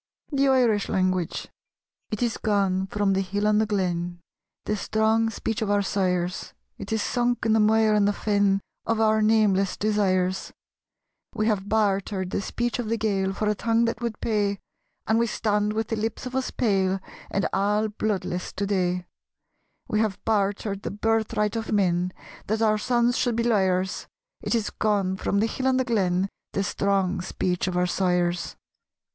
The Irish Language It is gone from the hill and the glen The strong speech of our sires; It is sunk in the mire and the fen Of our nameless desires: We have bartered the speech of the Gael For a tongue that would pay, And we stand with the lips of us pale And all bloodless to day; We have bartered the birthright of men That our sons should be liars. It is gone from the hill and the glen, The strong speech of our sires.